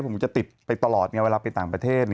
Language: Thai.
ผมจะติดไปตลอดไงเวลาไปต่างประเทศ